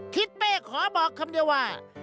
ทิศเป้ขอบอกคำเดียวว่า